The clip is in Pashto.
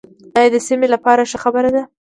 دا د سیمې لپاره ښه خبر دی.